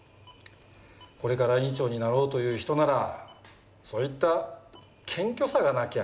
これから院長になろうという人ならそういった謙虚さがなきゃ。